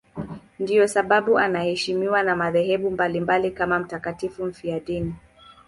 Ndiyo sababu anaheshimiwa na madhehebu mbalimbali kama mtakatifu mfiadini.